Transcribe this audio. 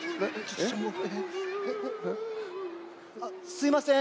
すいません。